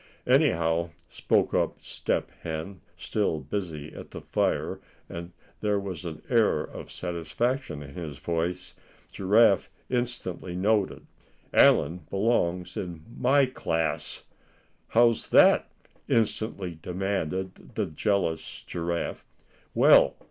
"Anyhow," spoke up Step Hen, still busy at the fire, and there was an air of satisfaction in his voice, Giraffe instantly noted, "Allan belongs in my class." "How's that?" instantly demanded the jealous Giraffe. "Well!